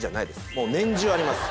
もう年中あります。